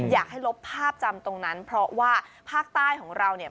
อยากให้ลบภาพจำตรงนั้นเพราะว่าภาคใต้ของเราเนี่ย